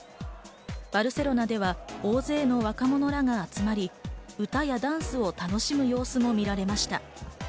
バルセロナでは大勢の若者らが集まり、歌やダンスを楽しむ様子も見られました。